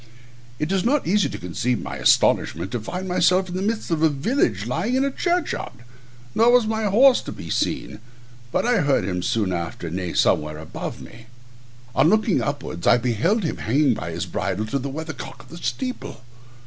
It is not easy to conceive my astonishment to find myself in the midst of a village, lying in a churchyard; nor was my horse to be seen, but I heard him soon after neigh somewhere above me. On looking upwards I beheld him hanging by his bridle to the weather cock of the steeple.